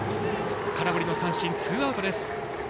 空振りの三振、ツーアウトです。